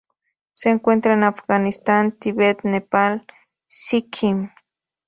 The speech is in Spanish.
Se encuentra en Afganistán, Tíbet, Nepal, Sikkim,?